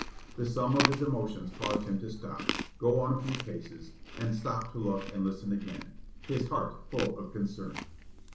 The sum of his emotions caused him to stop, go on a few paces, and stop to look and listen again, his heart full of concern.